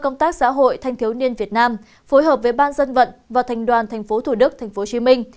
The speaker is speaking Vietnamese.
công tác xã hội thanh thiếu niên việt nam phối hợp với ban dân vận và thành đoàn tp thủ đức tp hcm